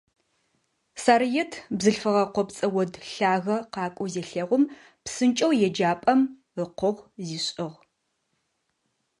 Сарыет бзылъфыгъэ къопцӏэ од лъагэ къакӏоу зелъэгъум, псынкӏэу еджапӏэм ыкъогъу зишӏыгъ.